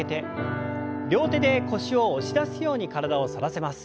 両手で腰を押し出すように体を反らせます。